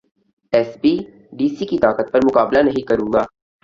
S P, D C کی طاقت پر مقابلہ نہیں کروں گا